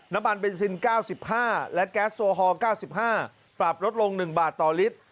น้ำมันเบนซิน๙๕และแก๊สโซฮอล๙๕ปรับลดลง๑บาทต่อลิตร